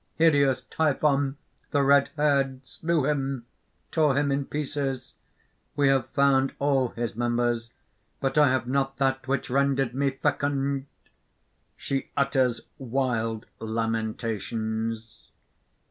_) "Hideous Typhon, the red haired slew him, tore him in pieces! We have found all his members. But I have not that which rendered me fecund!" (_She utters wild lamentations.